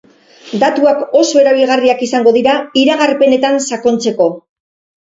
Datuak oso erabilgarriak izango dira iragarpenetan sakontzeko.